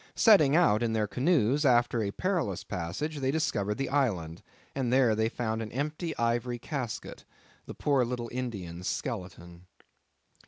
Setting out in their canoes, after a perilous passage they discovered the island, and there they found an empty ivory casket,—the poor little Indian's skeleton.